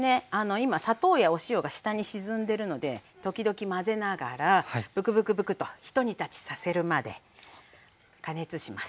今砂糖やお塩が下に沈んでるので時々混ぜながらブクブクブクとひと煮立ちさせるまで加熱します。